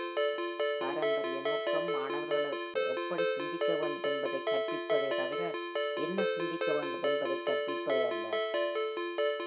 பாரம்பரிய நோக்கம் மாணவர்களுக்கு எப்படி சிந்திக்க வேண்டும் என்பதைக் கற்பிப்பதே தவிர, என்ன சிந்திக்க வேண்டும் என்பதைக் கற்பிப்பது அல்ல.